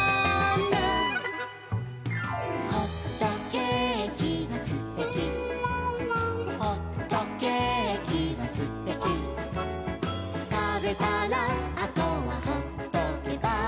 「ほっとけーきはすてき」「ほっとけーきはすてき」「たべたらあとはほっとけば」